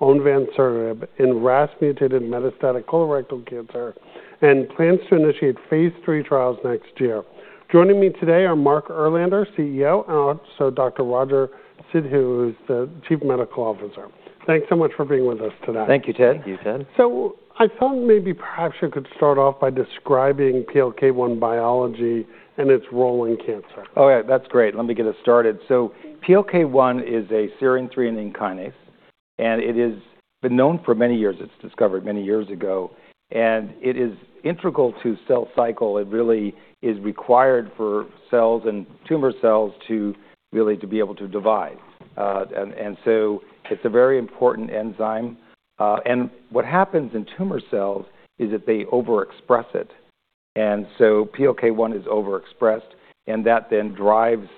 Onvansertib in RAS mutated metastatic colorectal cancer and plans to initiate phase three trials next year. Joining me today are Mark Erlander, CEO, and also Dr. Roger Sidhu, who's the Chief Medical Officer. Thanks so much for being with us today. Thank you, Ted. Thank you, Ted. I thought maybe perhaps you could start off by describing PLK1 biology and its role in cancer. All right, that's great. Let me get us started. PLK1 is a serine-threonine kinase, and it has been known for many years. It was discovered many years ago, and it is integral to the cell cycle. It really is required for cells and tumor cells to really be able to divide. It is a very important enzyme. What happens in tumor cells is that they overexpress it. PLK1 is overexpressed, and that then drives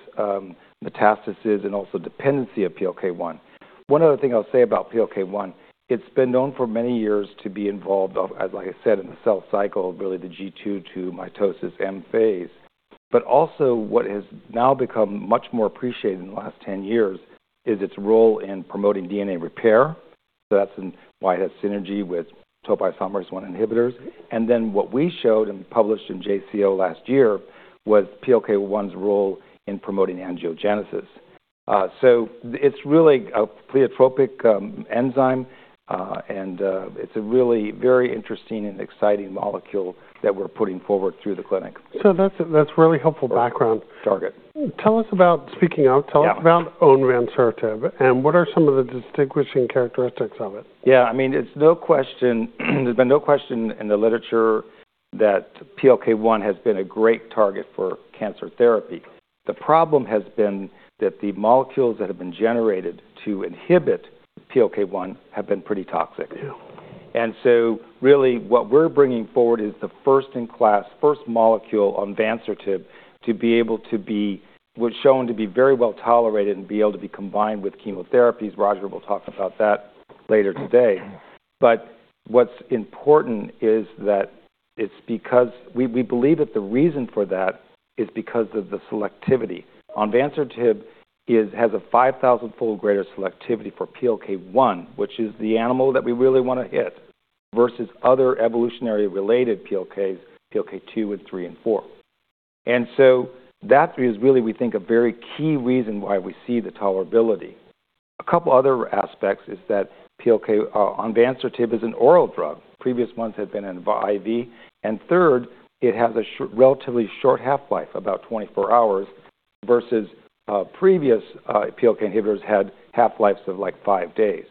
metastasis and also dependency on PLK1. One other thing I'll say about PLK1, it's been known for many years to be involved, like I said, in the cell cycle, really the G2 to mitosis M phase. What has now become much more appreciated in the last 10 years is its role in promoting DNA repair. That's why it has synergy with topoisomerase 1 inhibitors. What we showed and published in JCO last year was PLK1's role in promoting angiogenesis. It is really a pleiotropic enzyme, and it is a really very interesting and exciting molecule that we are putting forward through the clinic. That's really helpful background. Target. Tell us about, speaking out, tell us about onvansertib, and what are some of the distinguishing characteristics of it? Yeah, I mean, it's no question, there's been no question in the literature that PLK1 has been a great target for cancer therapy. The problem has been that the molecules that have been generated to inhibit PLK1 have been pretty toxic. Really what we're bringing forward is the first in class, first molecule onvansertib to be able to be, was shown to be very well tolerated and be able to be combined with chemotherapies. Roger will talk about that later today. What's important is that it's because we believe that the reason for that is because of the selectivity. Onvansertib has a 5,000-fold greater selectivity for PLK1, which is the animal that we really want to hit versus other evolutionary related PLKs, PLK2 and PLK3 and PLK4. That is really, we think, a very key reason why we see the tolerability. A couple other aspects is that onvansertib is an oral drug. Previous ones have been in IV. Third, it has a relatively short half-life, about 24 hours, versus previous PLK1 inhibitors had half-lives of like five days.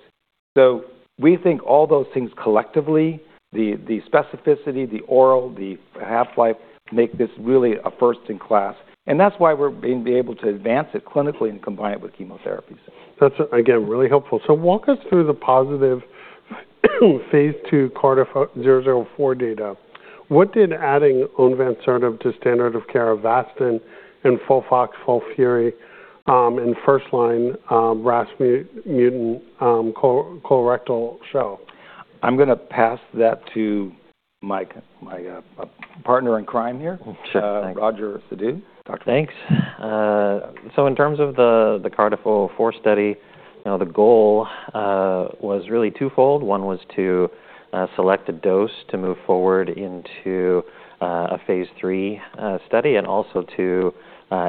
We think all those things collectively, the specificity, the oral, the half-life, make this really a first in class. That is why we're being able to advance it clinically and combine it with chemotherapies. That's again, really helpful. Walk us through the positive phase II CRDF-004 data. What did adding onvansertib to standard of care Avastin and FOLFOX, FOLFIRI, and first line RAS mutant colorectal show? I'm going to pass that to my partner in crime here, Roger Sidhu. Thanks. In terms of the CRDF-004 study, the goal was really twofold. One was to select a dose to move forward into a phase III study and also to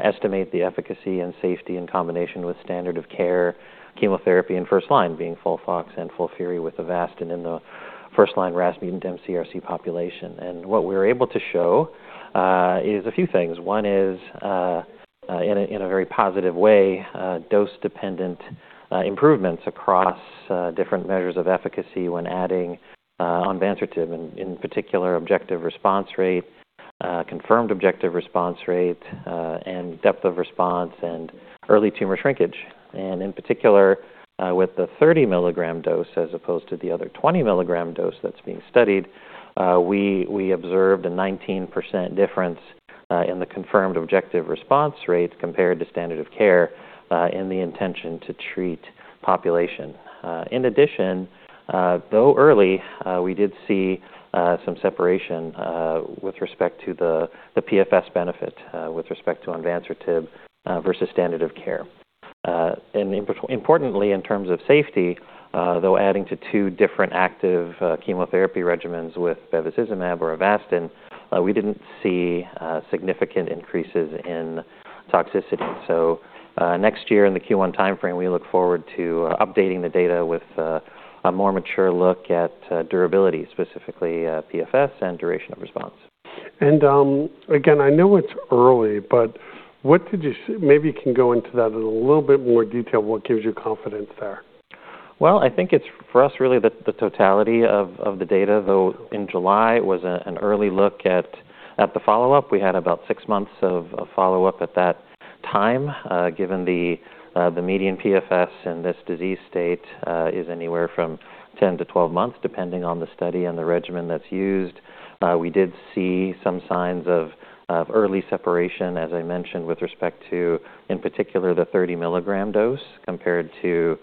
estimate the efficacy and safety in combination with standard of care chemotherapy, and first line being FOLFOX and FOLFIRI with Avastin in the first line RAS mutant CRC population. What we were able to show is a few things. One is, in a very positive way, dose-dependent improvements across different measures of efficacy when adding onvansertib, in particular, objective response rate, confirmed objective response rate, and depth of response and early tumor shrinkage. In particular, with the 30 mg dose as opposed to the other 20 mg dose that's being studied, we observed a 19% difference in the confirmed objective response rate compared to standard of care in the intention to treat population. In addition, though early, we did see some separation with respect to the PFS benefit with respect to onvansertib versus standard of care. Importantly, in terms of safety, though adding to two different active chemotherapy regimens with bevacizumab or Avastin, we didn't see significant increases in toxicity. Next year in the Q1 timeframe, we look forward to updating the data with a more mature look at durability, specifically PFS and duration of response. I know it's early, but what did you, maybe you can go into that in a little bit more detail, what gives you confidence there? I think it's for us really the totality of the data, though in July was an early look at the follow-up. We had about six months of follow-up at that time, given the median PFS in this disease state is anywhere from 10-12 months, depending on the study and the regimen that's used. We did see some signs of early separation, as I mentioned, with respect to, in particular, the 30 mg dose compared to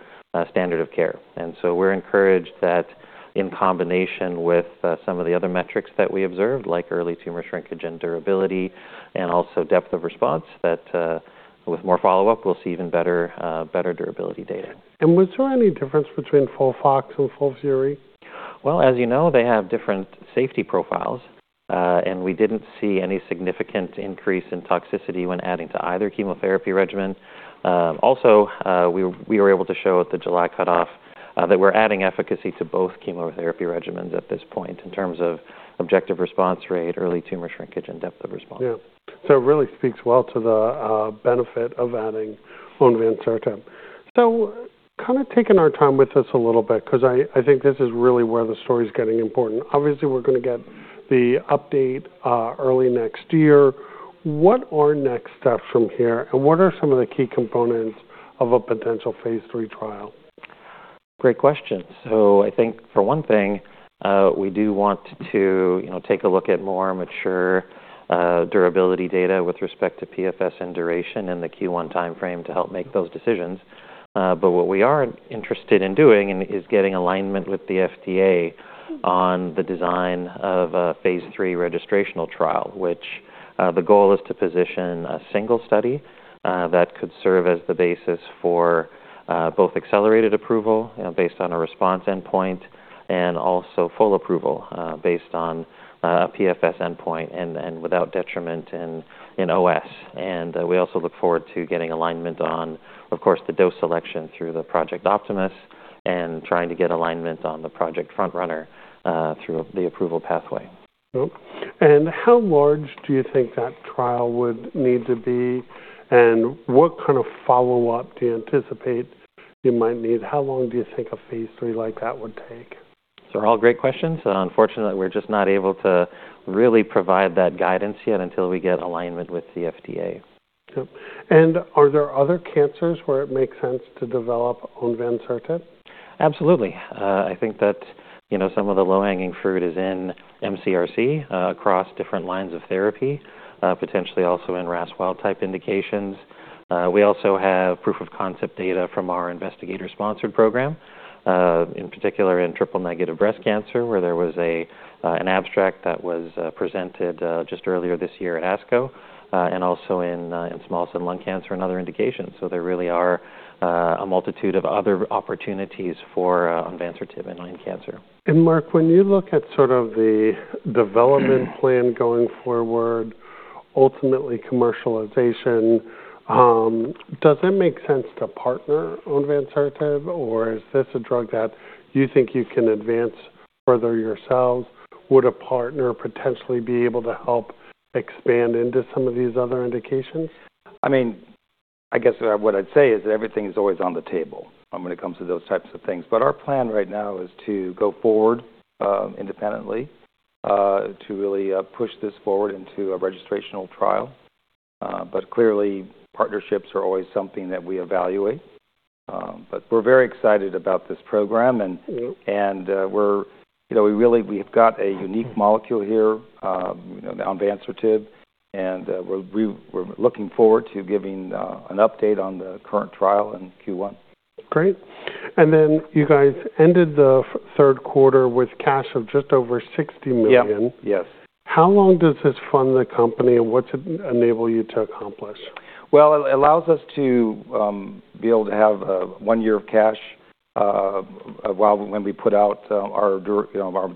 standard of care. We're encouraged that in combination with some of the other metrics that we observed, like early tumor shrinkage and durability and also depth of response, that with more follow-up, we'll see even better durability data. Was there any difference between FOLFOX and FOLFIRI? As you know, they have different safety profiles, and we didn't see any significant increase in toxicity when adding to either chemotherapy regimen. Also, we were able to show at the July cutoff that we're adding efficacy to both chemotherapy regimens at this point in terms of objective response rate, early tumor shrinkage, and depth of response. Yeah. It really speaks well to the benefit of adding onvansertib. Kind of taking our time with this a little bit, because I think this is really where the story is getting important. Obviously, we're going to get the update early next year. What are next steps from here, and what are some of the key components of a potential phase III trial? Great question. I think for one thing, we do want to take a look at more mature durability data with respect to PFS and duration in the Q1 timeframe to help make those decisions. What we are interested in doing is getting alignment with the FDA on the design of a phase III registrational trial, which the goal is to position a single study that could serve as the basis for both accelerated approval based on a response endpoint and also full approval based on a PFS endpoint and without detriment in OS. We also look forward to getting alignment on, of course, the dose selection through Project Optimus and trying to get alignment on Project FrontRunner through the approval pathway. How large do you think that trial would need to be, and what kind of follow-up do you anticipate you might need? How long do you think a phase III like that would take? Those are all great questions. Unfortunately, we're just not able to really provide that guidance yet until we get alignment with the FDA. Are there other cancers where it makes sense to develop onvansertib? Absolutely. I think that some of the low-hanging fruit is in mCRC across different lines of therapy, potentially also in RAS wild-type indications. We also have proof of concept data from our investigator-sponsored program, in particular in triple-negative breast cancer, where there was an abstract that was presented just earlier this year at ASCO and also in small cell lung cancer, another indication. There really are a multitude of other opportunities for onvansertib in lung cancer. Mark, when you look at sort of the development plan going forward, ultimately commercialization, does that make sense to partner onvansertib, or is this a drug that you think you can advance further yourselves? Would a partner potentially be able to help expand into some of these other indications? I mean, I guess what I'd say is that everything's always on the table when it comes to those types of things. Our plan right now is to go forward independently to really push this forward into a registrational trial. Clearly, partnerships are always something that we evaluate. We're very excited about this program, and we really have got a unique molecule here, onvansertib, and we're looking forward to giving an update on the current trial in Q1. Great. You guys ended the third quarter with cash of just over $60 million. Yes. How long does this fund the company, and what's it enable you to accomplish? It allows us to be able to have one year of cash while when we put out our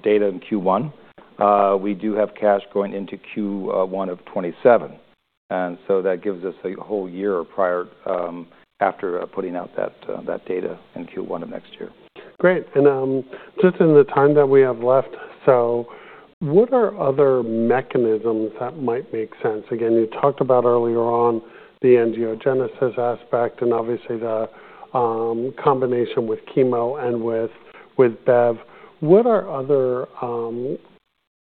data in Q1. We do have cash going into Q1 of 2027. That gives us a whole year prior after putting out that data in Q1 of next year. Great. In just the time that we have left, what are other mechanisms that might make sense? You talked about earlier on the angiogenesis aspect and obviously the combination with chemo and with BEV. What are other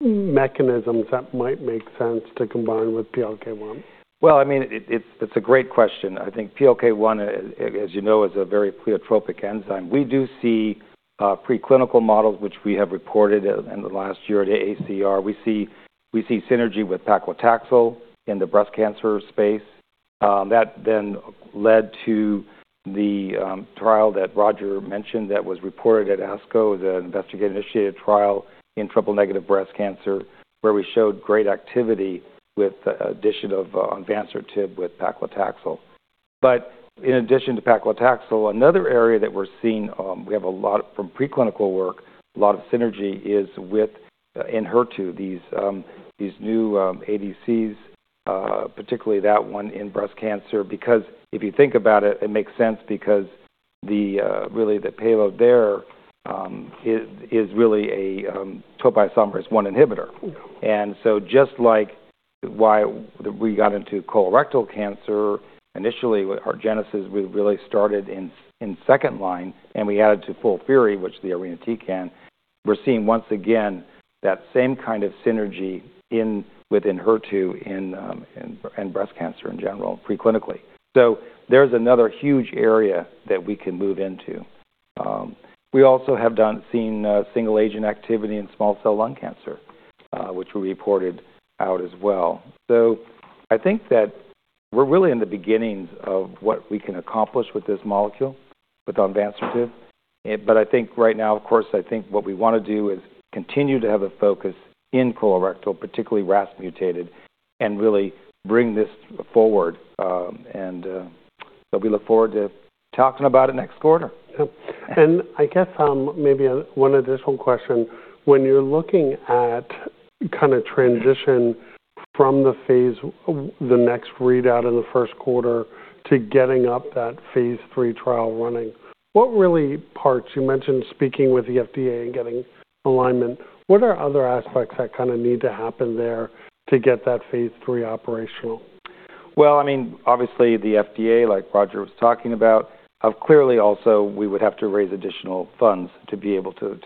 mechanisms that might make sense to combine with PLK1? I mean, it's a great question. I think PLK1, as you know, is a very pleiotropic enzyme. We do see preclinical models, which we have reported in the last year at AACR. We see synergy with paclitaxel in the breast cancer space. That then led to the trial that Roger mentioned that was reported at ASCO, the investigator-initiated trial in triple-negative breast cancer, where we showed great activity with the addition of onvansertib with paclitaxel. In addition to paclitaxel, another area that we're seeing, we have a lot from preclinical work, a lot of synergy is with Enhertu, these new ADCs, particularly that one in breast cancer, because if you think about it, it makes sense because really the payload there is really a topoisomerase 1 inhibitor. Just like why we got into colorectal cancer initially with HER2 genesis, we really started in second line, and we added to FOLFIRI, which is the irinotecan. We're seeing once again that same kind of synergy within HER2 and breast cancer in general preclinically. There is another huge area that we can move into. We also have seen single agent activity in small cell lung cancer, which we reported out as well. I think that we're really in the beginnings of what we can accomplish with this molecule, with onvansertib. I think right now, of course, what we want to do is continue to have a focus in colorectal, particularly RAS mutated, and really bring this forward. We look forward to talking about it next quarter. I guess maybe one additional question. When you're looking at kind of transition from the phase, the next readout in the first quarter to getting up that phase III trial running, what really parts you mentioned speaking with the FDA and getting alignment, what are other aspects that kind of need to happen there to get that phase III operational? I mean, obviously the FDA, like Roger was talking about, clearly also we would have to raise additional funds to be able to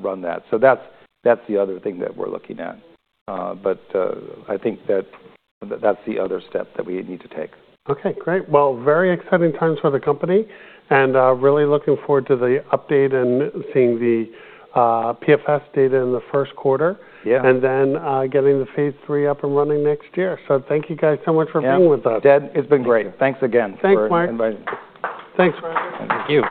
run that. That is the other thing that we're looking at. I think that that's the other step that we need to take. Okay, great. Very exciting times for the company and really looking forward to the update and seeing the PFS data in the first quarter and then getting the phase III up and running next year. Thank you guys so much for being with us. Yeah, it's been great. Thanks again. Thanks, Mark. Thanks for inviting. Thanks, Roger. Thank you.